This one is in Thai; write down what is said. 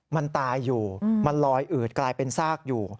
มันตายอยู่มันลอยอืดกลายเป็นซากอยู่